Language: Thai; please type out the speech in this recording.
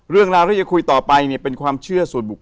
เรื่องราวที่จะคุยต่อไปเนี่ยเป็นความเชื่อส่วนบุคค